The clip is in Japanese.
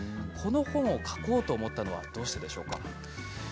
この本を書こうと思ったのはどうしてですか？